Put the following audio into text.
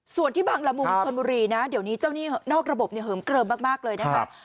ส่วนที่บางละมุงชนบุรีนะเดี๋ยวนี้เจ้าหนี้นอกระบบเนี่ยเหิมเกลิมมากเลยนะคะ